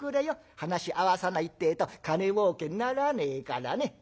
話合わさないってえと金もうけにならねえからね」。